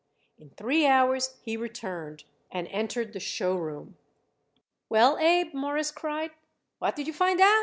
In three hours he returned and entered the show room. "Well, Abe," Morris cried, "what did you find out?